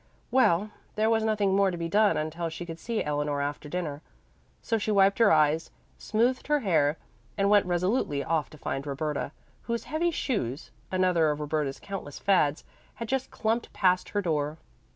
Well, there was nothing more to be done until she could see Eleanor after dinner. So she wiped her eyes, smoothed her hair, and went resolutely off to find Roberta, whose heavy shoes another of Roberta's countless fads had just clumped past her door.